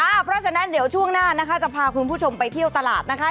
เพราะฉะนั้นเดี๋ยวช่วงหน้านะคะจะพาคุณผู้ชมไปเที่ยวตลาดนะคะ